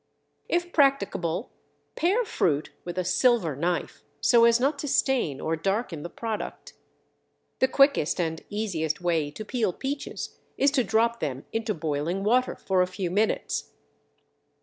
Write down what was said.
If practicable pare fruit with a silver knife, so as not to stain or darken the product. The quickest and easiest way to peel peaches is to drop them into boiling water for a few minutes.